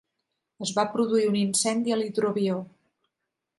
Es va produir un incendi a l'hidroavió.